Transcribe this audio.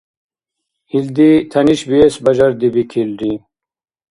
Илди тянишбиэс бажардибикилри.